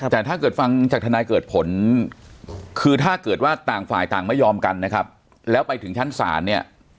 แต่ถ้าเกิดฟังจากทนายเกิดผลคือถ้าเกิดว่าต่างฝ่ายต่างไม่ยอมกันนะครับแล้วไปถึงชั้นศาลเนี่ย